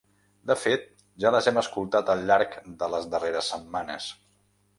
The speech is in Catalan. De fet ja les hem escoltat al llarg de les darreres setmanes.